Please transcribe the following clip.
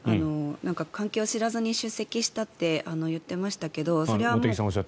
関係を知らずに出席したっておっしゃっていましたけど。